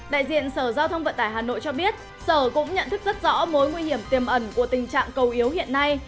đại diện sở giao thông vận tải hà nội cho biết sở cũng nhận thức rất rõ mối nguy hiểm tiềm ẩn của tình trạng cầu yếu hiện nay